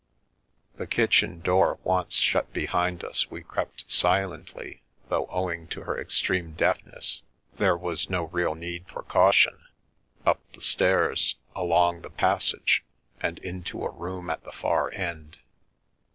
The kitchen door once shut behind us we crept silently, though owing to her extreme deafness there was no real need for caution, up the stairs, along the passage, and into a room at the far end.